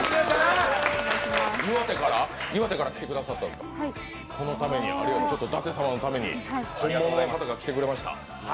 岩手から来てくださったんですか、このために、舘様のために、本物の方が来てくれました。